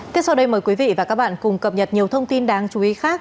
tiếp sau đây mời quý vị và các bạn cùng cập nhật nhiều thông tin đáng chú ý khác